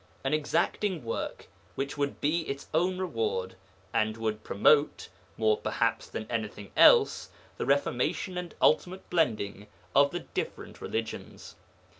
An exacting work which would be its own reward, and would promote, more perhaps than anything else, the reformation and ultimate blending of the different religions.